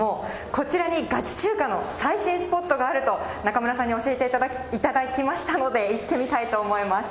こちらにガチ中華の最新スポットがあると中村さんに教えていただきましたので、行ってみたいと思います。